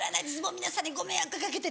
皆さんにご迷惑かけて」。